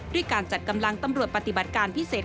ด้วยการจัดกำลังตำรวจปฏิบัติการพิเศษ